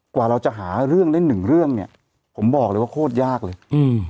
กว่าเราจะหาเรื่องได้หนึ่งเรื่องเนี้ยผมบอกเลยว่าโคตรยากเลยอืม